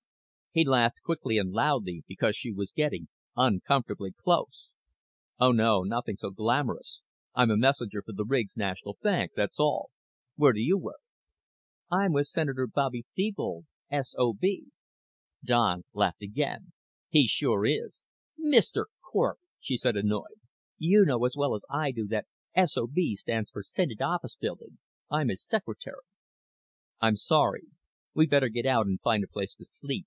He laughed quickly and loudly because she was getting uncomfortably close. "Oh, no. Nothing so glamorous. I'm a messenger for the Riggs National Bank, that's all. Where do you work?" "I'm with Senator Bobby Thebold, S.O.B." Don laughed again. "He sure is." "Mister Cort!" she said, annoyed. "You know as well as I do that S.O.B. stands for Senate Office Building. I'm his secretary." "I'm sorry. We'd better get out and find a place to sleep.